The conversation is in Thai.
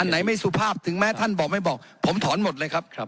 ไหนไม่สุภาพถึงแม้ท่านบอกไม่บอกผมถอนหมดเลยครับ